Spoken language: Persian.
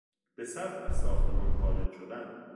به صف از ساختمان خارج شدن